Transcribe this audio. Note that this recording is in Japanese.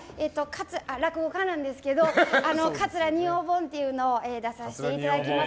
落語家なんですけど「桂二葉本」というのを出させていただきます。